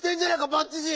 バッチシ！